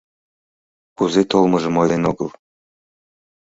Кузе толмыжым ойлен огыл.